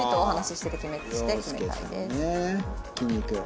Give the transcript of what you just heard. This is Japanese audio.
筋肉。